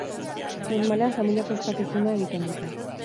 Normalean familiako ospakizuna egiten dute.